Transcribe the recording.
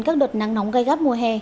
các đợt nắng nóng gây gắt mùa hè